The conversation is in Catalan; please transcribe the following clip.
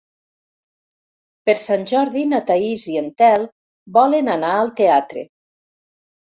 Per Sant Jordi na Thaís i en Telm volen anar al teatre.